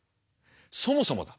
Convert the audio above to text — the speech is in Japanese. そもそもだ